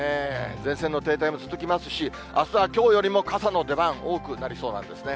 前線の停滞も続きますし、あすはきょうよりも傘の出番、多くなりそうなんですね。